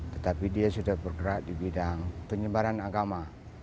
tetapi dia sudah bergerak di bidang penyebaran agama